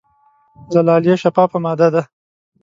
زلالیه شفافه ماده ده.